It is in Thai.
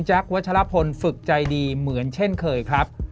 วัชลพลฝึกใจดีเหมือนเช่นเคยครับ